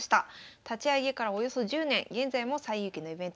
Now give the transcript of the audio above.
立ち上げからおよそ１０年現在も西遊棋のイベント